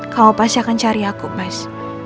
kau pasti akan cari aku mas